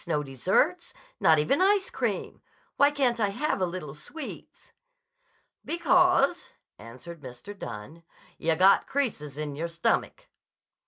No desserts. Not even ice cream. Why can't I have a little sweets?" "Because," answered Mr. Dunne, "yah got creases in your stomach."